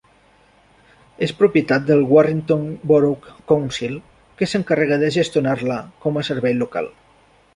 És propietat del Warrington Borough Council, que s'encarrega de gestionar-la com a servei local.